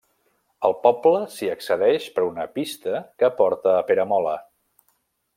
Al poble s'hi accedeix per una pista que porta a Peramola.